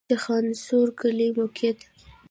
د چخانسور کلی موقعیت